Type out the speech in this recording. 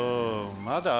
まだ？